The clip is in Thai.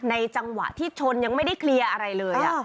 จังหวะที่ชนยังไม่ได้เคลียร์อะไรเลย